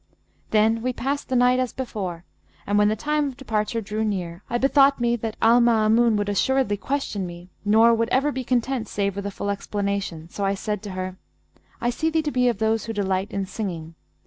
Then we passed the night as before; and when the time of departure drew near, I bethought me that Al Maamun would assuredly question me nor would ever be content save with a full explanation: so I said to her, 'I see thee to be of those who delight in singing.